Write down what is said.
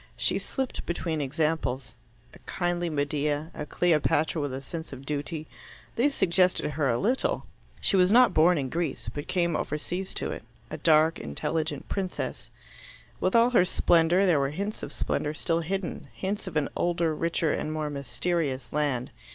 She slipped between examples. A kindly Medea, a Cleopatra with a sense of duty these suggested her a little. She was not born in Greece, but came overseas to it a dark, intelligent princess. With all her splendour, there were hints of splendour still hidden hints of an older, richer, and more mysterious land.